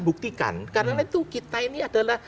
buktikan karena itu kita ini adalah